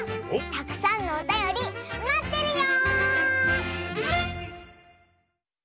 たくさんのおたよりまってるよ！